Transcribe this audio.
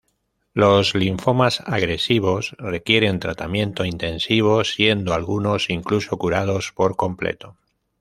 Los linfomas agresivos requieren tratamiento intensivo, siendo algunos incluso curados por completo.